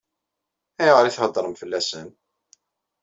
Ayɣer i theddṛem fell-asen?